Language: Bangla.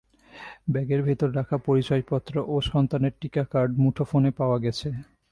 ব্যাগের ভেতর রাখা পরিচয়পত্র ও সন্তানের টিকা কার্ড, মুঠোফোন পাওয়া গেছে।